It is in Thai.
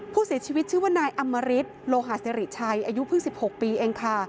ผู้เสียชีวิตชื่อว่านายอำมริตโลหาสิริชัยอายุเพิ่ง๑๖ปีเองค่ะ